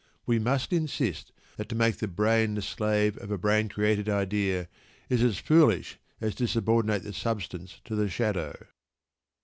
We must insist that to make the brain the slave of a brain created idea is as foolish as to subordinate the substance to the shadow.